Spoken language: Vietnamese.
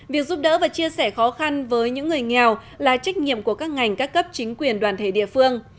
việc giúp đỡ và chia sẻ khó khăn với những người nghèo là trách nhiệm của các ngành các cấp chính quyền đoàn thể địa phương